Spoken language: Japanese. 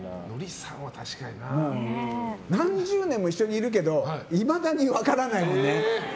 何十年も一緒にいるけどいまだに分からないもんね。